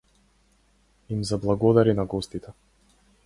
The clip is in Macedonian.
Им заблагодари на гостите.